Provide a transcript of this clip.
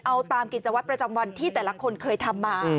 เอาตามกิจวัตรประจำวันที่แต่ละคนเคยทำมา